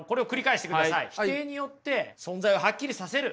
否定によって存在をハッキリさせる。